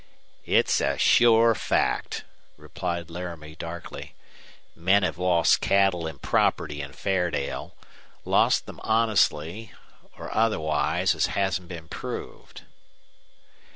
"It's a sure fact," replied Laramie, darkly. "Men have lost cattle an' property in Fairdale lost them honestly or otherwise, as hasn't been proved.